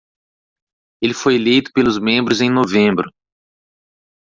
Ele foi eleito pelos membros em novembro.